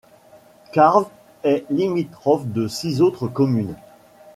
Carves est limitrophe de six autres communes.